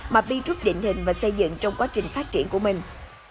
mà b group định hình và xây dựng trong quá trình phát triển của mình